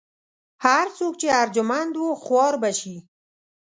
هر څوک چې ارجمند و خوار به شي.